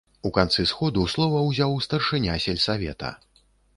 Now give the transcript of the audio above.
У канцы сходу слова ўзяў старшыня сельсавета.